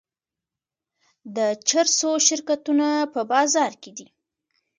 د چرسو شرکتونه په بازار کې دي.